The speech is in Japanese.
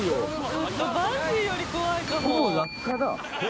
ちょっとバンジーより怖いかも。